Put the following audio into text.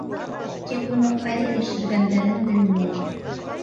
Тик уны ҡайҙа йәшергәндәрен белмәйем.